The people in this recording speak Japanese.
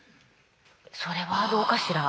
それはどうかしら。